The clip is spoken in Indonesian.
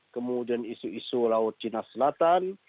kemudian isu isu laut cina selatan